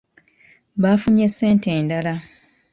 Baafunye ssente endala.